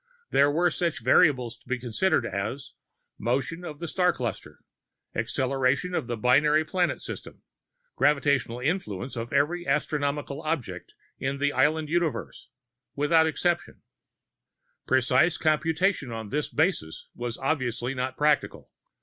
There were such variables to be considered as: motion of the star cluster; acceleration of the binary planet system; gravitational influence of every astronomical object in the island universe, without exception. Precise computation on this basis was obviously not practical.